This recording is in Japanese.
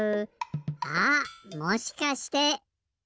あっもしかして。